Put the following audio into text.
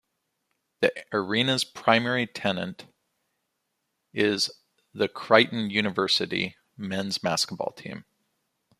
The arena's primary tenant is the Creighton University men's basketball team.